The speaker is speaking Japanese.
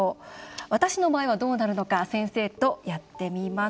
私の場合はどうなるのか先生とやってみます。